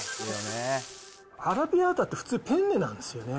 アラビアータって普通、ペンネなんですよね。